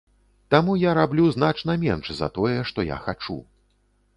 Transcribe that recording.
Таму я раблю значна менш за тое, што я хачу.